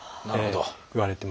なるほど。